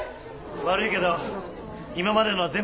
悪いけど今までのは全部忘れてくれ。